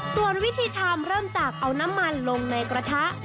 ส่วนวิธีทำเริ่มจากเอาน้ำมันลงในกระทะ